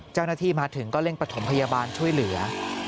เจ้าหน้าที่มาถึงก็เร่งประถมพยาบาลช่วยเหลือ